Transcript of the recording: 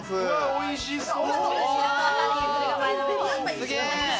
おいしそう！